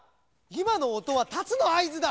いまのおとはたつのあいずだ！